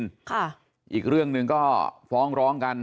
ค่ะอีกเรื่องหนึ่งก็ฟ้องร้องกัน